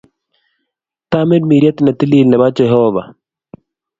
Tamirmiriet ne tilil ne po Jehova.